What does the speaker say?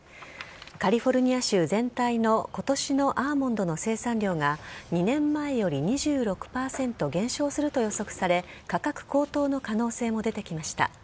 カリフォルニア州全体の今年のアーモンドの生産量が２年前より２６％減少すると予測され価格高騰の可能性も出てきました。